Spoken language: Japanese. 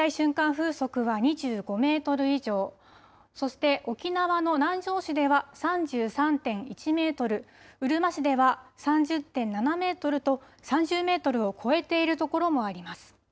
風速は２５メートル以上、そして沖縄の南城市では３３．１メートル、うるま市では３０．７メートルと３０メートルを超えている所もあります。